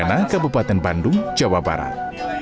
perdana kabupaten bandung jawa barat